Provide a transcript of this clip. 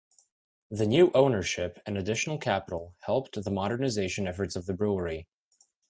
The new ownership and additional capital helped the modernization efforts of the brewery.